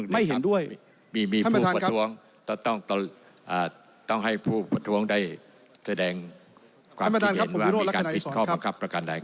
ไม่ต้องได้แสดงความคิดเองว่ามีการพิษข้อประกันได้ครับ